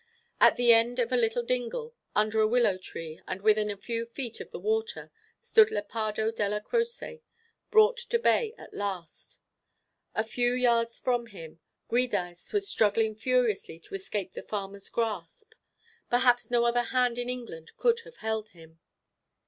At the end of a little dingle, under a willow tree, and within a few feet of the water, stood Lepardo Della Croce, brought to bay at last. A few yards from him, Giudice was struggling furiously to escape the farmer's grasp; perhaps no other hand in England could have held him.